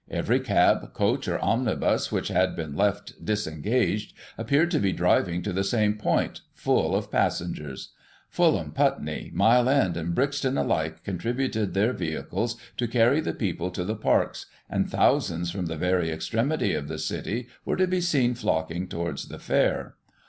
Every cab, coach, or omnibus which had been left disengaged, appeared to be driving to the same point, full of passengers. Fulham, Putney, Mile End and Brixton alike contributed their vehicles to carry the people to the Parks, and thousands from the very extremity of the City were to be seen flocking towards the Fair.